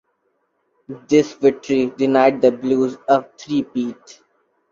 This victory denied the Blues a three-peat.